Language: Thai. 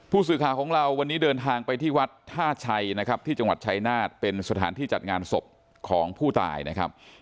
ผู้สื่อข่าวของเราวันนี้เดินทางไปที่วัดท่าชัยนะครับที่จังหวัดชายนาฏเป็นสถานที่จัดงานศพของผู้ตายนะครับ